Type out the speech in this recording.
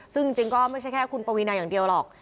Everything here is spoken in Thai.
ซึ่งจริงก็ไม่ใช่แค่คุณปวีนาอย่างเดียวหรอก